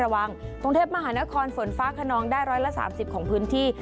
รวงเทพมหานครฝนฟ้าขนองได้ร้อยละสามสิบของพื้นที่